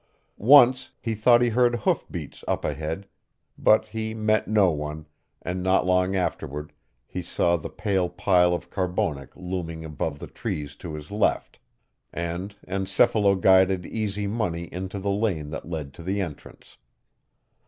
Once, he thought he heard hoofbeats up ahead, but he met no one, and not long afterward he saw the pale pile of Carbonek looming above the trees to his left, and encephalo guided Easy Money into the lane that led to the entrance.